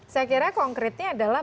saya kira konkretnya adalah